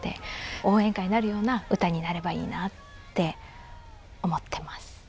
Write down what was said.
応援歌になるような歌になればいいなって思ってます。